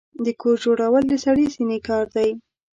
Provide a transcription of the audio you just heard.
د کور جوړول د سړې سينې کار دی.